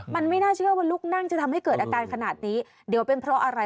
มันไม่น่าเชื่อว่าลุกนั่งจะทำให้เกิดอาการขนาดนี้เดี๋ยวเป็นเพราะอะไร